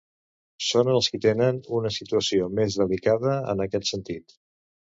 Són els qui tenen una situació més delicada en aquest sentit.